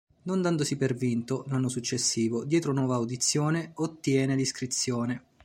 Non dandosi per vinto, l'anno successivo, dietro nuova audizione, ottiene l'iscrizione.